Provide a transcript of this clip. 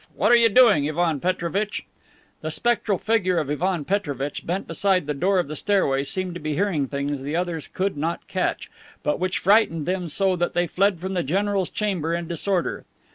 What are you doing, Ivan Petrovitch?" The spectral figure of Ivan Petrovitch, bent beside the door of the stairway, seemed to be hearing things the others could not catch, but which frightened them so that they fled from the general's chamber in disorder.